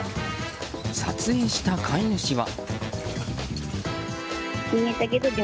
撮影した飼い主は。